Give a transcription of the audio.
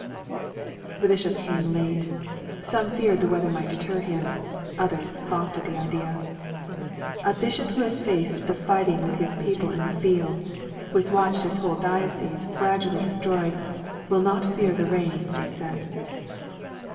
The bishop came late. Some feared the weather might deter him; others scoffed at the idea. "A bishop who has faced the fighting with his people in the field, who has watched his whole diocese gradually destroyed, will not fear the rain!" they said.